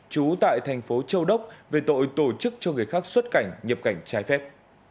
trú tại thành phố châu đốc về tội tổ chức cho người khác xuất cảnh nhập cảnh trái phép